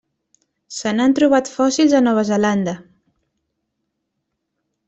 Se n'han trobat fòssils a Nova Zelanda.